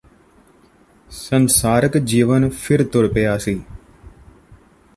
ਸੰਸਾਰਕ ਜੀਵਨ ਫਿਰ ਤੁਰ ਪਿਆ ਸੀ